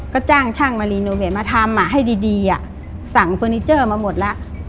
ก็จ้างช่างมารีโนเวทมาทำให้ดีสั่งเฟอร์นิเจอร์มาหมดแล้ว